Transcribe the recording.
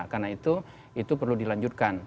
karena itu perlu dilanjutkan